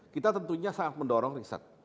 kita tentunya sangat mendorong riset